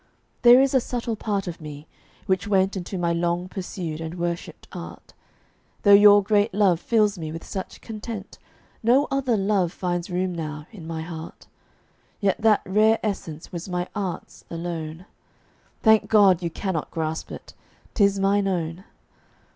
There is a subtle part of me, which went Into my long pursued and worshipped art; Though your great love fills me with such content No other love finds room now, in my heart. Yet that rare essence was my art's alone. Thank God, you cannot grasp it; 'tis mine own.